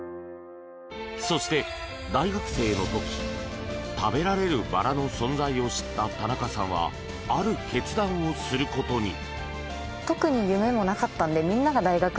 そして大学生の時食べられるバラの存在を知った田中さんはある決断をすることに。